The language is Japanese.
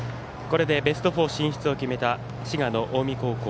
これでベスト４進出を決めた滋賀の近江高校。